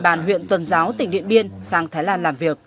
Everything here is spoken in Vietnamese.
bàn huyện tuần giáo tỉnh điện biên sang thái lan